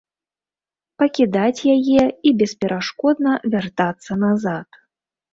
Пакідаць яе і бесперашкодна вяртацца назад.